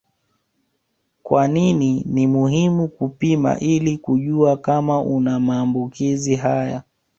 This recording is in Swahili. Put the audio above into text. Kwa nini ni muhimu kupima ili kujua kama una maambukizi haya